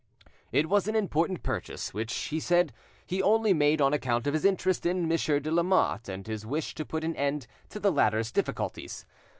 It was an important purchase, which, he said, he only made on account of his interest in Monsieur de Lamotte, and his wish to put an end to the latter's difficulties.